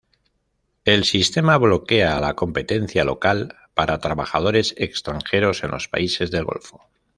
El sistema bloquea la competencia local para trabajadores extranjeros en los países del Golfo.